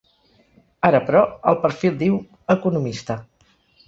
Ara, però, al perfil diu: Economista.